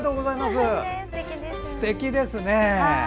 すてきですね。